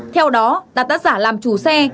theo đó đạt đã giả làm chủ xe